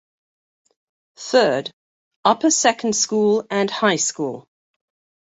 Third: upper second school and high school.